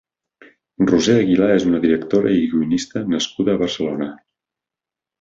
Roser Aguilar és una directora i guionista nascuda a Barcelona.